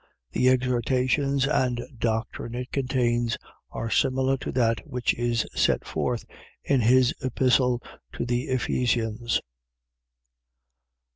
The exhortations and doctrine it contains are similar to that which is set forth in his Epistle to the Ephesians.